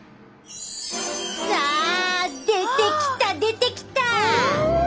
さあ出てきた出てきた！